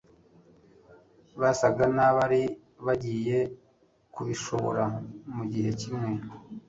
Basaga n'abari bagiye kubishobora mu gihe kimwe;